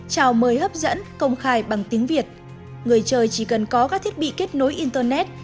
chào mời hấp dẫn công khai bằng tiếng việt người chơi chỉ cần có các thiết bị kết nối internet